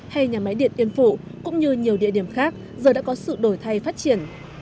hay nhà máy điện yên phụ cũng như nhiều địa điểm khác giờ đã có sự đổi thay phát triển